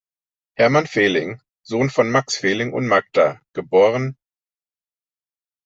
Hermann Fehling, Sohn von Max Fehling und Magda, geb.